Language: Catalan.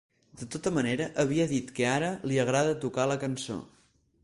De tota manera, havia dit que ara li agrada tocar la cançó.